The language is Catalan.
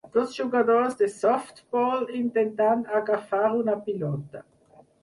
Dos jugadors de softbol intentant agafar una pilota